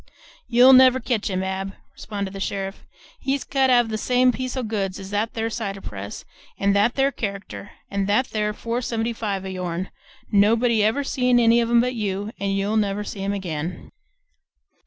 "You'll never ketch him, Ab," responded the sheriff. "He's cut off the same piece o' goods as that there cider press and that there character and that there four seventy five o' yourn; nobody ever see any of 'em but you, and you'll never see 'em again!"